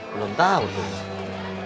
belum tau tuh